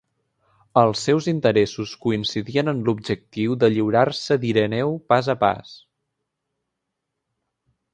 Els seus interessos coincidien en l'objectiu de lliurar-se d'Ireneu pas a pas.